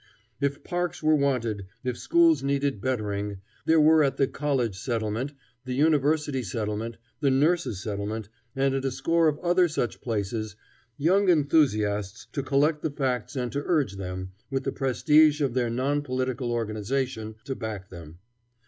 If parks were wanted, if schools needed bettering, there were at the College Settlement, the University Settlement, the Nurses' Settlement, and at a score of other such places, young enthusiasts to collect the facts and to urge them, with the prestige of their non political organization to back them.